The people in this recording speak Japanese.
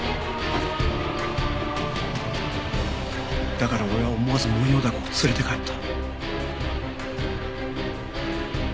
だから俺は思わずモンヨウダコを連れて帰った。